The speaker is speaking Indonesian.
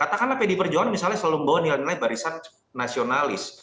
katakanlah pdi perjuangan misalnya selalu membawa nilai nilai barisan nasionalis